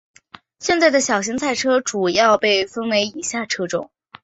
现在的小型赛车主要被分为以下车种。